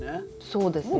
そうですね。